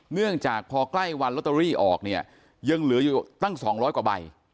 เนื่องจากพอใกล้วันลอตเตอรี่ออกเนี่ยยังเหลืออยู่ตั้ง๒๐๐กว่าใบ